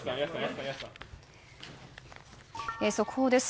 速報です。